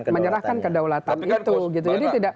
menyerahkan kedaulatan itu